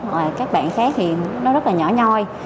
hoặc các bạn khác thì nó rất là nhỏ nhoi